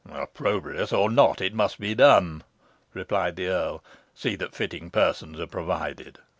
"Opprobrious or not, it must be done," replied the earl. "See that fitting persons are provided."